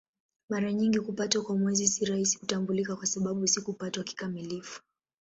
Mara nyingi kupatwa kwa Mwezi si rahisi kutambulika kwa sababu si kupatwa kikamilifu.